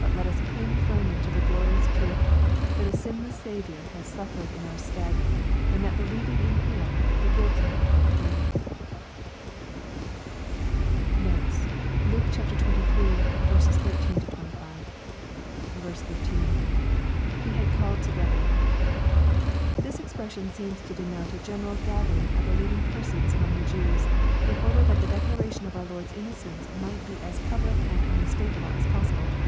But let us cling firmly to the glorious truth that a sinless Saviour has suffered in our stead, and that believing in Him the guilty may go free. Notes. Luke XXIII. 13—25. 13. — [Be had caMed together.] This expression seems to denoce a general gathering of the leading persons among the Jews, in or der that the declaration of our Lord's innocence might be as pub^ lie and unmistakeable as possible.